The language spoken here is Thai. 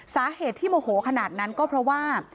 สาเหตุที่โมโหขนาดนั้นก็เพราะว่า